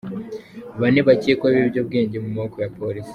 Bane bakekwaho ibiyobyabwenge mu maboko ya Polisi